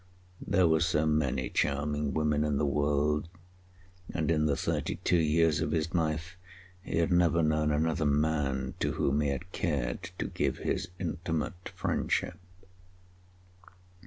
There were so many charming women in the world, and in the thirty two years of his life he had never known another man to whom he had cared to give his intimate friendship.